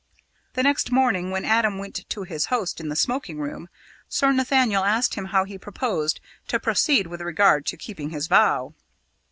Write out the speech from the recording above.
The next morning, when Adam went to his host in the smoking room, Sir Nathaniel asked him how he purposed to proceed with regard to keeping his vow.